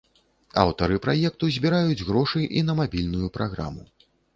Аўтары праекту збіраюць грошы і на мабільную праграму.